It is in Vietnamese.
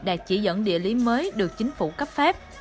đạt chỉ dẫn địa lý mới được chính phủ cấp phép